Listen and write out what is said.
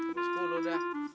tuh ke sepuluh dah